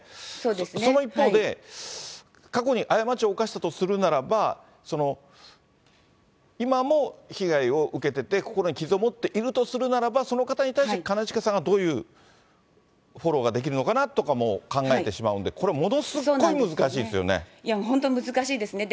その一方で、過去に過ちを犯したとするならば、今も被害を受けてて、心に傷を持っているとするならば、その方に対して兼近さんがどういうフォローができるのかなとかも考えてしまうんで、これ、本当、難しいですね。